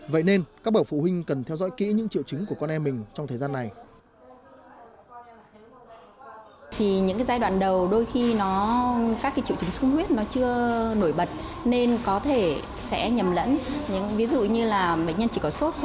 vậy nên các bậc phụ huynh cần theo dõi kỹ những triệu chứng của con em mình trong thời gian này